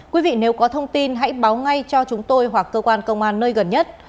quý vị nếu có thông tin hãy báo ngay cho chúng tôi hoặc cơ quan công an nơi gần nhất